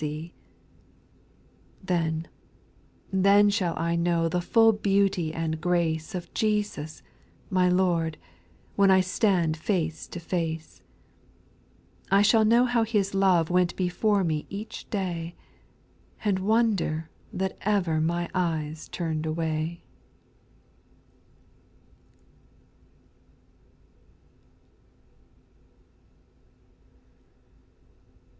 Then, then shall I know The full beauty and grace Of Jesus, my Lord, When I stand face to face : I shall know how His love Went before me each day, And wonder that ever My eyes turned away.